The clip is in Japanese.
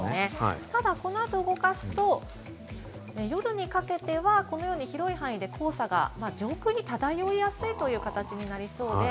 ただこのあと動かすと、夜にかけては、このように広い範囲で黄砂が上空に漂いやすいという形になりそうです。